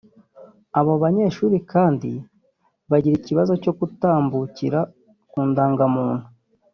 Abo banyeshuri kandi bagira ikibazo cyo kutambukira ku ndangamuntu